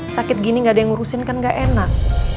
sakit gini gak ada yang ngurusin kan gak enak